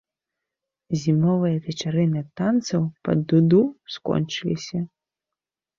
Зімовыя вечарыны танцаў пад дуду скончыліся.